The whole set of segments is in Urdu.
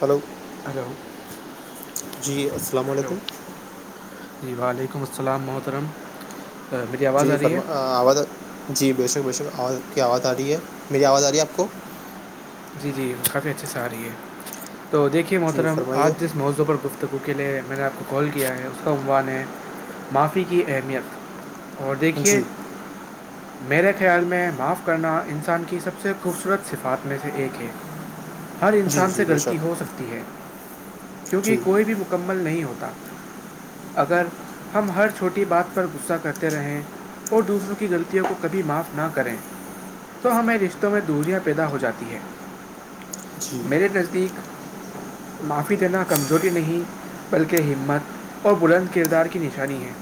ہلو ہلو جی السلام ہلو علیکم جی وعلیکم السلام محترم میری آواز جی آ رہی فرم ہے آواز جی بےشک بےشک آواز کی آواز آ رہی ہے میری آواز آ رہی ہے آپ کو جی جی کافی اچھے سے آ رہی ہے تو دیکھیے جی محترم فرمائیے آج جس موضوع پر گفتگو کے لیے میں نے آپ کو کال کیا ہے اس کا عموان ہے معافی کی اہمیت اور دیکھیے جی میرے خیال میں معاف کرنا انسان کی سب سے خوبصورت صفات میں سے ایک ہے ہر جی انسان سے جی بے غلطی ہو شک سکتی ہے کیونکہ یہ جی کوئی بھی مکمل نہیں ہوتا اگر ہم ہر چھوٹی بات پر غصہ کرتے رہیں اور دوسروں کی غلطیوں کو کبھی معاف نہ کریں تو ہمیں رشتوں میں دوریاں پیدا ہو جاتی ہے جی میرے نزدیک معافی دینا کمزوری نہیں بلکہ ہمت اور بلند کردار کی نشانی ہے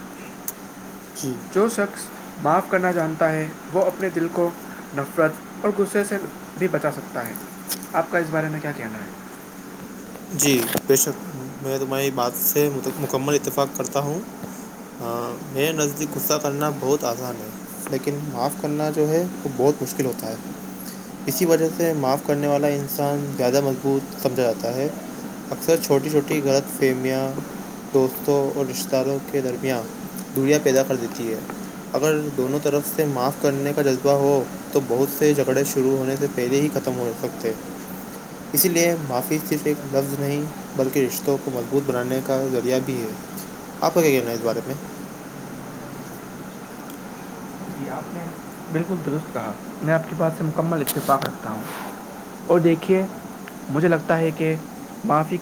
جی جو شخص معاف کرنا جانتا ہے وہ اپنے دل کو نفرت اور غصے سے بھی بچا سکتا ہے آپ کا اس بارے میں کیا کہنا ہے جی بے شک میں تمہاری بات سے مکمل اتفاق کرتا ہوں ہاں میر نزدیک غصہ کرنا بہت آسان ہے لیکن معاف کرنا جو ہے وہ بہت مشکل ہوتا ہے اسی وجہ سے معاف کرنے والا انسان زیادہ مضبوط سمجھا جاتا ہے اکثر چھوٹی چھوٹی غلط فہمیاں دوستوں اور رشتہ داروں کے درمیان دوریا پیدا کر دیتی ہے اگر دونوں طرف سے معاف کرنے کا جذبہ ہو تو بہت سے جھگڑے شروع ہونے سے پہلے ہی ختم ہو سکتے اسی لیے معافی صرف ایک لفظ نہیں بلکہ رشتوں کو مضبوط بنانے کا ذریعہ بھی ہے آپ کا کیا کہنا ہے اس بارے میں جی آپ نے بالکل درست رہا میں آپ کی بات سے مکمل اتفاق رکھتا ہوں اور دیکھیے مجھے لگتا ہے کہ معافی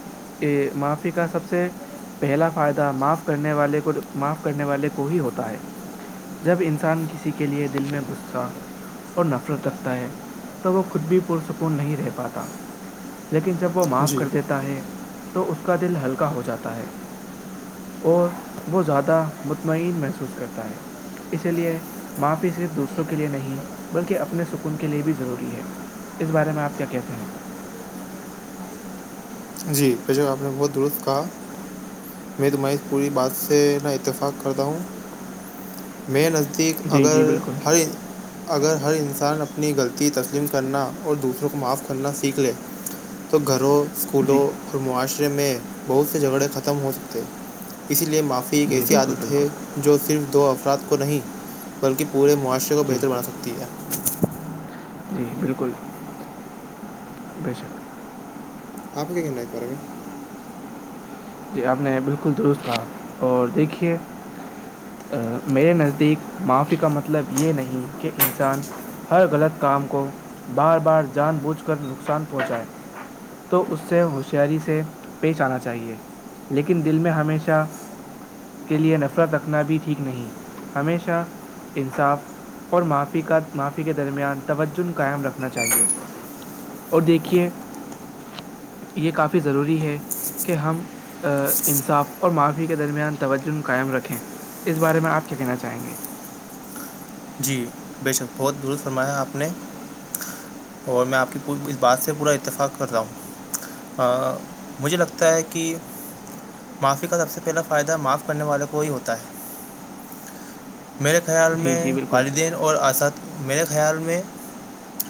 معافی کا سب سے پہلا فائدہ معاف کرنے والے کو ہی ہوتا ہے جب انسان کسی کے لئے دل میں غصہ اور نفرت رکھتا ہے تو وہ خود بھی پرسکون نہیں رہ پاتا لیکن جب وہ معاف جی کر دیتا ہے تو اس کا دل ہلکا ہو جاتا ہے اور وہ زیادہ مطمئن محسوس کرتا ہے اسی لیے معافی صرف دوسروں کے لیے نہیں بلکہ اپنے سکون کے لیے بھی ضروری ہے اس بارے میں آپ کیا کہتے ہیں جی بک آپ نے بہت درست کہا میں تمہاری اس پوری بات سے نہ اتفاق کرتا ہوں میں نزدیک جی جی اگر بالکل ہر اگر ہر انسان اپنی غلطی تسلیم کرنا اور دوسروں کو معاف کرنا سیکھ لے تو گھر جی پھولوں اور معاشرے میں بہت سے جھگڑے ختم ہو سکتے ہیں اسی لیے معافی ایک جی ایسی بالکل عادت بالکل ہے جو صرف دو افراد کو نہیں بلکہ پورے معاشرے کو جی بہتر بنا سکتے تی ہے جی بالکل بے شک آپ کےنائی پرے جی آپ نے بالکل درست کہا اور دیکھیے میرے نزدیک معافی کا مطلب یہ نہیں کہ انسان ہر غلط کام کو بار بار جان بوجھ کر نقصان پہنچائے تو اس سے ہوشیاری سے پیش آنا چاہیے لیکن دل میں ہمیشہ کے لئے نفرت رکھنا بھی ٹھیک نہیں ہمیشہ انصاف اور معی کا معافی کے درمیان توجہ قائم رکھنا چاہیئے اور دیکھیے یہ کافی ضروری ہے کہ ہم انصاف اور معافی کے درمیان توجہ قائم رکھیں اسس بارے میں آپ کیا کہنا چاہیں گے جی بے شک بہت درست فرمایا آپ نے اور میں آپ کی پ اس بات سے پورا اتفاق کر رہا ہوں مجھے لگتا ہے کہ معافی کا سب سے پہلا فائدہ معاف کرنے والوں کو ہی ہوتا ہے [unintelligible] میرے خیال جی میں جی بالکل والدین اور اات میرے خیال میں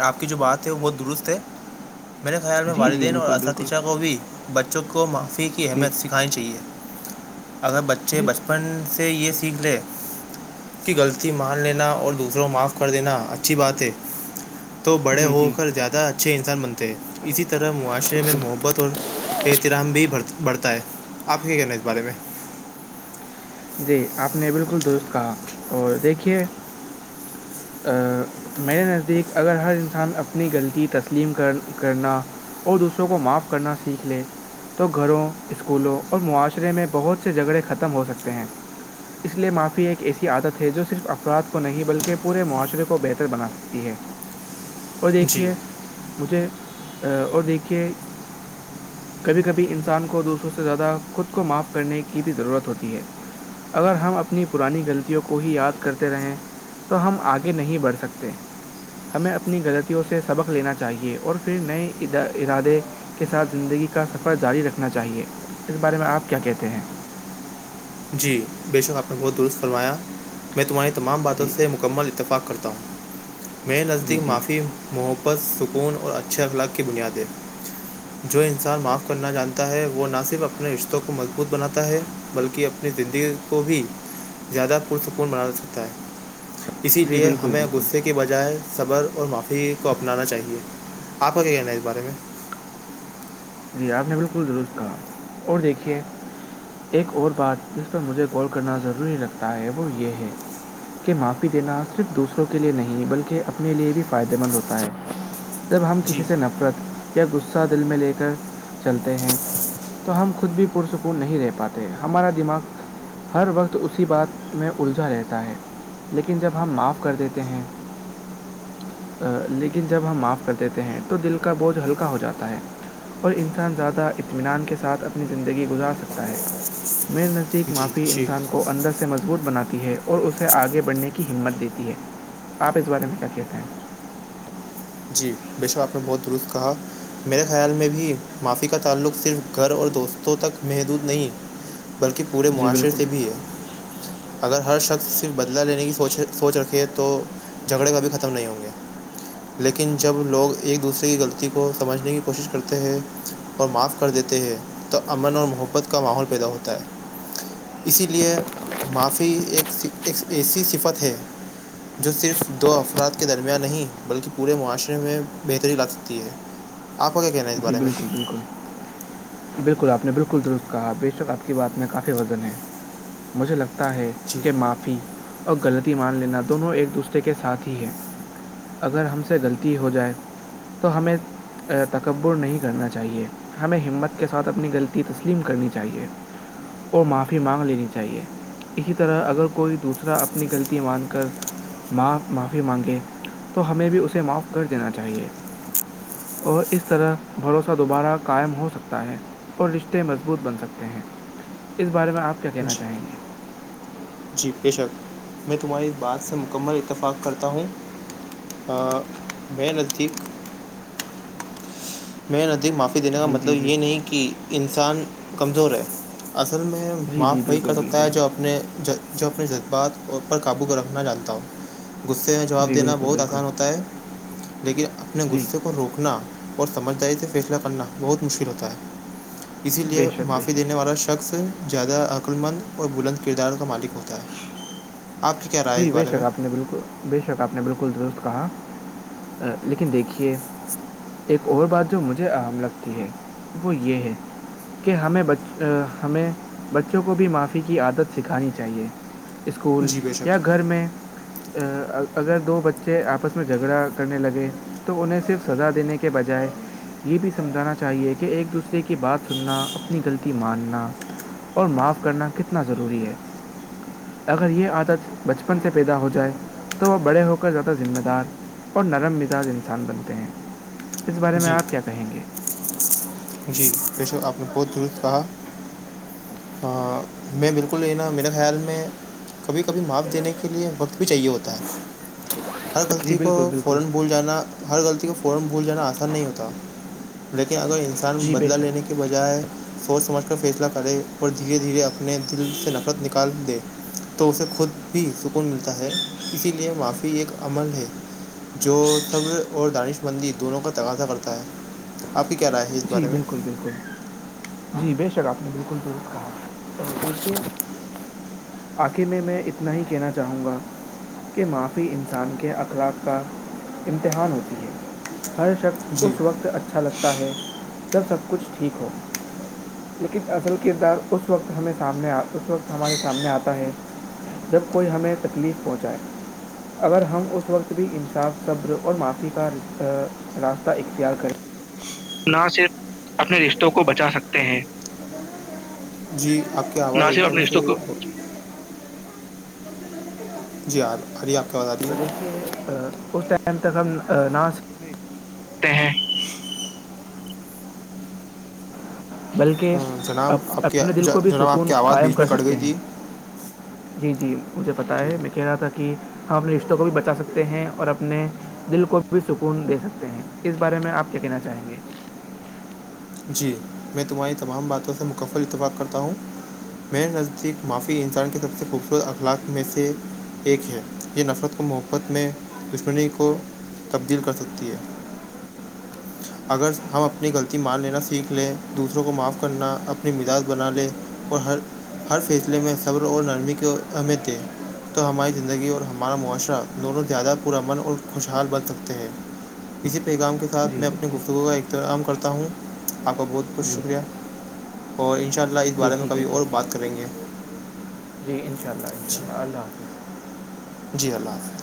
آپ کی جو بات ہے وہ بہت درست ہے میرے خیال میں جی جی والدین اور بالکل بالکل اساتذہ کو بھی بچوں کو معافی کی جی اہمیت سیکھ کھانی چاہیے اگر بچے جی ب سے یہ سیکھ لے کہ غلطی مان لینا اور دوسروں معاف کر دینا اچھی بات ہے تو بڑے جی ہو جی کر زیادہ اچھے انسان بند تھ اسی طرح معاشرے میں جی محبت اور احترام بھی بڑھتا ہے آپ کیا کہنا ہے اس بارے میں جی آپ نے بالکل درست کہا اور دیکھیے میرے نزدیک اگر ہر انسان اپنی غلطی تسلیم کر کرنا اور دوسروں کو معاف کرنا سیکھ لے تو گھروں اسکولوں اور معاشرے میں بہت سے جھگڑے ختم ہو سکتے ہیں اس لے معافی ایک ایسی عادت ہے جو صرف افراد کو نہیں بلکہ پورے معاشرے کو بہتر بنا سکتی ہے اور جی دیکھیے مجھے اور دیکھیے کبھی کبھی انسان کو دوسروں سے زیادہ خود کو معاف کرنے کی بھی ضرورت ہوتی ہے اگر ہم اپنی پرانی غلطیوں کو ہی یاد کرتے رہیں تو ہم آگے نہیں بڑھ سکتے ہمیں اپنی غلطیوں سے سبق لینا چاہیے اور پھر نئے ارادے کے ساتھ زندگی کا سفر جاری رکھنا چاہیے اس بارے میں آپ کیا کہتے ہیں جی بے شک آپ نے بہت درست فرمایا میں تمہاری تمام باتوں جی سے مکمل اتفاق کرتا ہوں میرے جی نزدیک جی معافی محبت سکون اور اچھے اخلاق کی بنیاد ہے جو انسان معاف کرنا جانتا ہے وہ نہ صرف اپنے رشتوں کو مضبوط بناتا ہے بلکہ اپنے اپنی زندگی کو بھی زیادہ پتپن بنا سکتا ہے اسی جی لیے بالکل ہمیں بالکل غصے کے بجائے صبر اور معافی کو اپنانا چاہیے آپ کا کیا کہنا ہے اس بارے میں جی آپ نے بالکل درست کہا اور دیکھیے ایک اور بات جس پر مجھے غول کرنا ضروری لگتا ہے وہ یہ ہے کہ معافی دینا صرف دوسروں کے لئے نہیں بلکہ اپنے لئے بھی فائدہ مند ہوتا ہے جب ہم کسی جی سے نفرت یا غصہ دل میں لے کے چلتے ہیں تو ہم خود بھی پرسکون نہیں رہ پاتے ہمارا دماغ ہر وقت اسی بات میں الجا رہتا ہے لیکن جب ہم معاف کر دیتے ہیں لیکن جب ہم معاف کر دیتے ہیں تو دل کا بوجھ ہلکا ہو جاتا ہے اور انسان زیادہ اطمینان کے ساتھ اپنی زندگی گزار سکتا ہے میرے نزدیک جی معافی جی انسان کو اندر سے سے مضبوط بناتی ہے اور اسے آگے بڑھنے کی ہمت دیتی ہے آپ اس بارے میں کیا کہتے ہیں جی بشک آپ نے بہت درست کہا میرے خیال میں بھی معافی کا تعلق صرف گھر اور دوستوں تک محدود نہیں بلکہ پورے جی معاشرے بالکل سے بھی ہے اگر ہر شخص صرف بدلا لینے کی سوچ رکھے تو جھگڑے کبھی ختم نہیں ہوں گے لیکن جب لوگ ایک دوسرے کی غلطی کو سمجھنے کی کوشش کرتے ہیں اور معاف کر دیتے ہیں تو امن اور محبت کا ماحول پیدا ہوتا ہے اسی لیے معافی ایک ایک ایسی صفت ہے جو صرف دو افراد کے درمیان نہیں بلکہ پورے معاشرے میں بہتری لا سکتی ہے آپ کو کیا کہنا ہے اس جی بارے میں بالکل بالکل بالکل آپ نے بالکل درست کہا بے شک آپ کی بات میں کافی وزن ہے مجھے لگتا ہے جی کہ ماںپ فی اور غلطی مان لینا دونوں ایک دوسرے کے ساتھ ہی ہیں اگر ہم سے غلطی ہو جائے تو ہمیں تک کبر نہیں کرنا چاہیے ہمیں ہمت کے ساتھ اپنی غلطی تسلیم کرنی چاہیے اور معافی مانگ لینی چاہیے اسی طرح اگر کوئی دوسرا اپنی غلطی مان کر معف معافی مانگے تو ہمیں بھی اسے معاف کر دینا چاہیے اور اس طرح بھروسہ دوبارہ قائم ہو سکتا ہے اور رشتے مضبوط بن سکتے ہیں اس بارے میں آپ کیا کہنا جی چاہیں گے جی بےشک میں تمہاری اس بات سے مکمل اتفاق کرتا ہوں میں نزدیک میر نزدیک معافی دینے کا جی جی مطلب جی یہ نہیں کہ انسان کمزور ہے اصل میں جی معاف جی وہی بالکل کر سکتا بالکل ہے جو اپنے جو اپنے جذباتو پر قابو کو رکھنا چاہتا ہوں غصے میں جواب جی دینا بالکل بہت بالکل آسان ہوتا ہے لیکن اپنے جی غصے کو روکنا اور سمجھداری سے فیصلہ کرنا بہت مشکل ہوتا ہے اسی لیے بے شک بے معافی دینے شک والا شخص زیادہ عقللمند اور بلند کردار کا مالک ہوتا ہے آپ کیا رہا جی بے شک آپ نے بالکل بے شک آپ نے بالکل درست کہا لیکن دیکھیے ایک اور بات جو مجھے اام لگتی ہے وہ یہ ہے کہ ہمیں ہمیں بچوں کو بھی معافی کی عادت سکھانی چاہیے اسکول جی بے یا شک گھر میں ا اگر دو بچے آپس میں جھگڑا کرنے لگے تو انہیں صرف سزا دینے کے بجائے یہ بھی سمجھانا چاہیے کہ ایک دوسرے کی بات سننا اپنی غلطی ماننا اور معاف کرنا کتنا ضروری ہے اگر یہ عادت بچپن سے پیدا ہو جائے تو وہ بڑے ہو کر زیادہ ذمہ دار اور نرم مزاج انسان بنتے ہیں اس بارے میں جی آپ کیا کہیں گے جی پیشو آپ نے بہت دور سے کہا ہاں میں بالکل یہ ن میرا خیال میں کبھی کبھی معاف دینے کے لئے وقت بھی چاہیے ہوتا ہے ہر جی غلطی کو بالکل بالکل فورا بول جانا ہر غلطی کو فورا بھول جانا آسان نہیں ہوتا لیکن اگر انسان جی بے بدلا لینے شک کی کے بجائے سوچ سمجھ کر فیصلہ کرے اور دھیرے دھیرے اپنے دل سے نفرت نکال دے تو اسے خود بھی سکون ملتا ہے اسی لیے معافی ایک عمل ہے جو س اور دانش مندی دونوں کا تقازا کرتا ہے آپ ہی کیا را جی بالکل بالکل جی بے شک آپ نے بالکل درست کہا اور ار آخر میں میں اتنا ہی کہنا چاہوں گا کہ معافی انسان کے اخلاق کا امتحان ہوتی ہے ہر شخص جی اس وقت اچھا لگتا ہے جب سب کچھ ٹھیک ہو لیکن اصل کردار اس وقت ہم اس وقت ہمارے سامنے آتا ہے جب کوئی ہمیں تکلیف پہنچائے اگر ہم اس وقت بھی انصاف صبر اور معافی کا راستہ اختیار کریں نہ صرف اپنے رشتوں کو بچا سکتے ہیں جی آپ کی آواز نہ صرف ایک دم اپنے سے رشتوں کو جی ہ ار آپ کی آواز آ رہی تو ہے دیکھیے اس ٹائم تک ہم ہیں بلکہ جناب آپ کی اپنے دل کو بھی جناب آپ سکون کی آواز قائم بیچ میں کر کٹ سکتے گئی ہیں تھی جی جی مجھے پتا ہے میں کہہ رہا تھا کہ ہم اپنے رشتوں کو بھی بچا سکتے ہیں اور اپنے دل کو بھی سکون دے سکتے ہیں اس بارے میں آپ کیا کہنا چاہیں گے جی میں تمہاری تمام باتوں سے مکفل اتفاق کرتا ہوں میرے نزدیک معافی انسان کے سب سے خوبصورت اخلاق میں سے ایک ہے یہ نفرت کو موق خ خت میں دشمنی کو تبدیل کر سکتی ہے اگر ہم اپنی غلطی مان لیں سیکھ لے دوسروں کو معاف کرنا اپنی مزاج بنا لے اور ہر ہر فیصلے میں صبر اور نرمی کے ایں تھے تو ہماری زندگی اور ہمارا معاشرہ دونوں زیادہ پورا من اور خوشحال بن سکتے ہیں اسی پیغام کے ساتھ جی میں اپنی بالکل گفتگو کا اخترام کرتا ہوں آپ کا بہت بہت جی شکریہ اور ان شاء اللہ اس جی بارے میں ٹھیک ہے کبھی اور ٹھیک بات ہے کریں گے جی انشاء اللہ انشاء جی اللہ اللہ حافظ جی اللہ حافظ